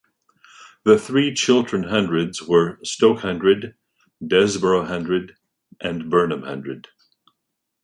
The three Chiltern Hundreds were Stoke Hundred, Desborough Hundred, and Burnham Hundred.